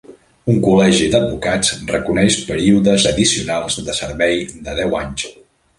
Un col·legi d'advocats reconeix períodes addicionals de servei de deu anys.